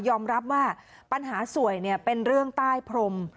รับว่าปัญหาสวยเป็นเรื่องใต้พรม